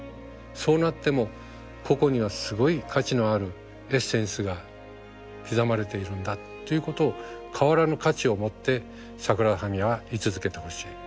そうなってもここにはすごい価値のあるエッセンスが刻まれているんだっていうことを変わらぬ価値を持ってサグラダ・ファミリアは居続けてほしい。